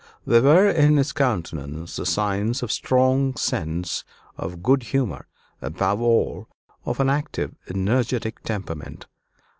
There were in his countenance the signs of strong sense, of good humor above all, of an active, energetic temperament.